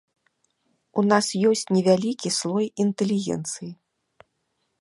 У нас ёсць невялікі слой інтэлігенцыі.